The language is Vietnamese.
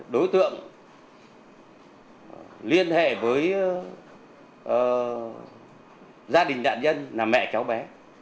đối tượng liên hệ với gia đình đạn nhân là mẹ cháu bé